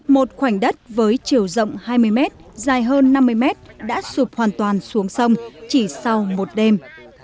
một khoảnh đất với chiều rộng hai mươi mét dài hơn năm mươi mét đã sụp hoàn toàn xuống sông chỉ sau một đêm